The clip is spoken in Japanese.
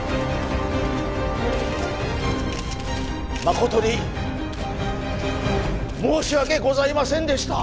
誠に申し訳ございませんでした。